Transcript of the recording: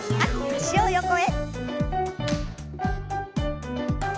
脚を横へ。